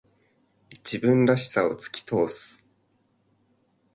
自分らしさを突き通す。